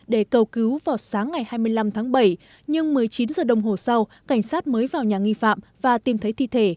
để cầu cứu vào sáng ngày hai mươi năm tháng bảy nhưng một mươi chín h đồng hồ sau cảnh sát mới vào nhà nghi phạm và tìm thấy thi thể